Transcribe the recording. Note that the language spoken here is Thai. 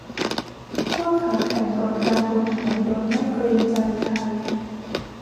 พวกเขาแข่งรถกันบนถนนโดยไม่เกรงใจใคร